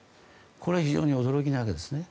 これは非常に驚きなわけですね。